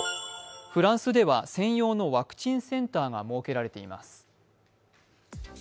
フランスでは専用のワクチンセンターが設けられています。